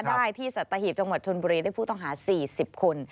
ได้ที่สัตหีบจังหวัดชนบุรีได้ผู้ต้องหา๔๐คน